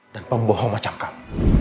dan pembohong macam kamu